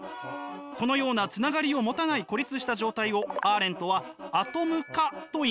このようなつながりを持たない孤立した状態をアーレントはアトム化といいました。